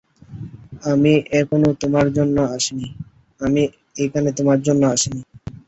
আমি এখানে তোমার জন্য আসিনি।